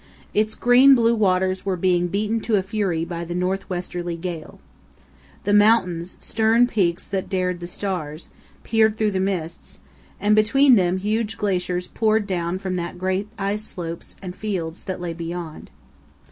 Its green blue waters were being beaten to fury by the north westerly gale. The mountains, "stern peaks that dared the stars," peered through the mists, and between them huge glaciers poured down from the great ice slopes and fields that lay behind.